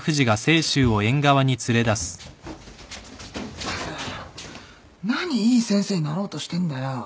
ったく何いい先生になろうとしてんだよ。